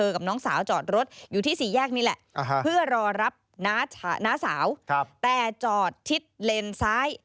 ก็รับน้าสาวแต่จอดทิศเลนซ้าย